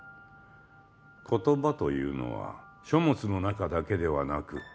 言葉というのは書物の中だけではなく